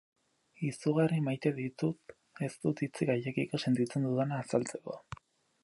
Izugarri maite ditut, ez dut hitzik haiekiko sentitzen dudana azaltzeko.